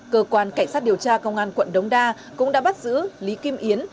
cơ quan cảnh sát điều tra công an quận đống đa cũng đã bắt giữ lý kim yến